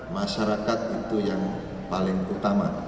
masyarakat itu yang paling utama